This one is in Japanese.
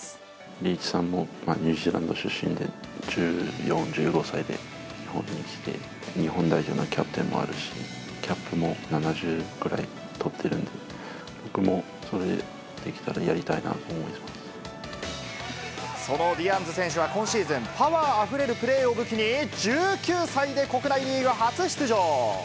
リーチさんもニュージーランド出身で、１４、５歳で日本に来て、日本代表のキャプテンもやって、キャップも７０ぐらい取ってるんで、僕もそれできたらやりたいなそのディアンズ選手は今シーズン、パワーあふれるプレーを武器に、１９歳で国内リーグ初出場。